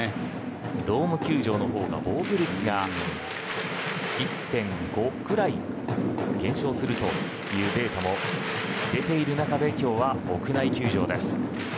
ドーム球場の方が防御率が１．５くらい減少するというデータも出ている中で今日は屋内球場です。